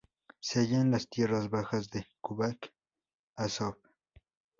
Se halla en las tierras bajas de Kubán-Azov.